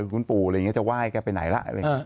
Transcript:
คุณปู่จะไหว้แกไปไหนล่ะ